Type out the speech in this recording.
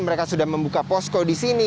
mereka sudah membuka posko di sini